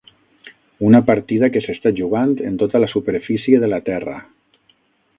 Una partida que s'està jugant en tota la superfície de la terra